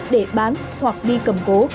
để bán hoặc đi cầm cố